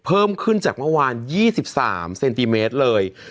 เพิ่มขึ้นจากเมื่อวาน๒๓เซนติเมตรเลย